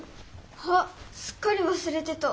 あっすっかりわすれてた。